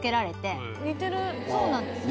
そうなんです。